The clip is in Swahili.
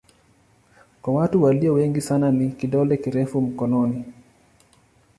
Kwa watu walio wengi sana ni kidole kirefu mkononi.